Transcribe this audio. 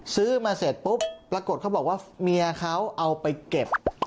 ซื้อมาเสร็จปุ๊บปรากฏเขาบอกว่าเมียเขาเอาไปเก็บ